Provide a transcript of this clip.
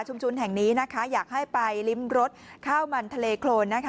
ชุมชุนแห่งนี้อยากให้ไปริมรถข้าวมันทะเลโครน